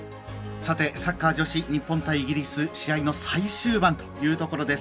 さて、サッカー女子イギリス対日本試合の最終盤というところです。